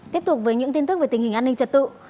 tiếp tục với những tin tức về tình hình an ninh trật tự